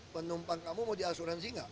penumpang kamu mau diasuransi nggak